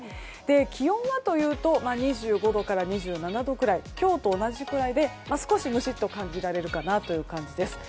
気温はというと２５度から２７度くらい今日と同じくらいで少しムシッと感じられるかなという感じです。